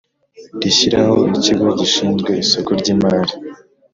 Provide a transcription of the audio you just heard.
rishyiraho Ikigo gishinzwe isoko ry imari